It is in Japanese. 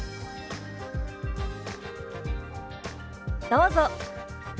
どうぞ。